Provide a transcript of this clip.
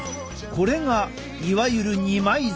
これがいわゆる二枚爪。